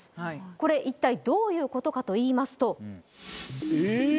これ一体どういうことかといいますとえっ！？